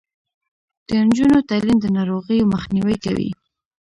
د نجونو تعلیم د ناروغیو مخنیوی کوي.